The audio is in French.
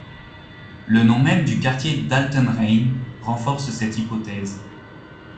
Le nom même du quartier d'Altenrheine renforce cette hypothèse.